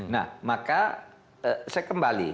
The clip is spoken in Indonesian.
nah maka saya kembali